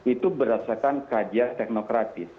itu berdasarkan kajian teknokratis